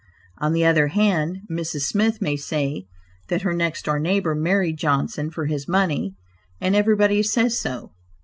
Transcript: On the other hand, Mrs. Smith may say that her next door neighbor married Johnson for his money, and "everybody says so."